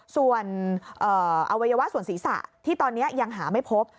ส่วนอวัยวะส่วนศีรษะที่ตอนนี้ยังหาไม่พบ